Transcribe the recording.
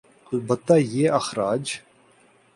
البتہ یہ اخراج